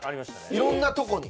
いろんなとこに